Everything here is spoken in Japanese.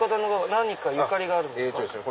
何かゆかりがあるんすか？